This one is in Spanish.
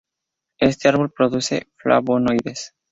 Este árbol produce flavonoides.